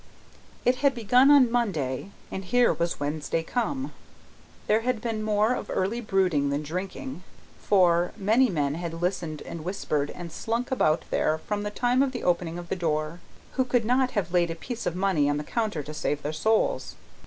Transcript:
It had begun on Monday, and here was Wednesday come. There had been more of early brooding than drinking; for, many men had listened and whispered and slunk about there from the time of the opening of the door, who could not have laid a piece of money on the counter to save their souls.